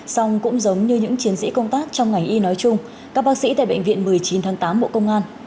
xong cũng giống như những chiến sĩ công tác trong ngành y nói chung các bác sĩ tại bệnh viện một mươi chín tháng tám bộ công an